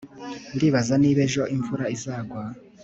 Ndibaza niba ejo imvura izagwa